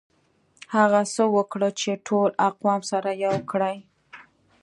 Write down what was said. هغه هڅه وکړه چي ټول اقوام سره يو کړي.